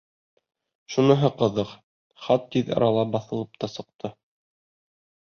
Шуныһы ҡыҙыҡ, хат тиҙ арала баҫылып та сыҡты.